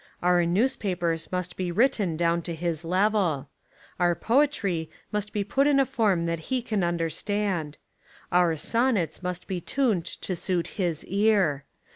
Our news papers must be written down to his level. Our poetry must be put In a form that he can under stand. Our sonnets must be tuned to suit his ear.